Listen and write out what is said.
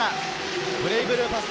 ブレイブルーパス